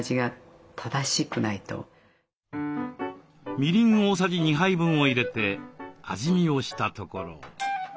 みりん大さじ２杯分を入れて味見をしたところ。